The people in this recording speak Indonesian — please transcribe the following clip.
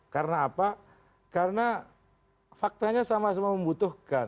karena apa karena faktanya sama sama membutuhkan